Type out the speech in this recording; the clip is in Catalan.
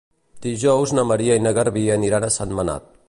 Dijous na Maria i en Garbí aniran a Sentmenat.